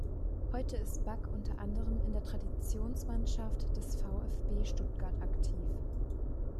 Heute ist Buck unter anderem in der Traditionsmannschaft des VfB Stuttgart aktiv.